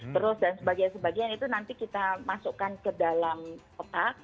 terus dan sebagainya itu nanti kita masukkan ke dalam otak